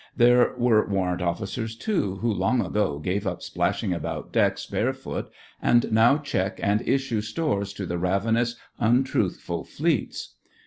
There were Warrant Officers, too, who long ago gave up splashing about decks bare foot, and now check and issue stores to the ravenous, untruthful fleets.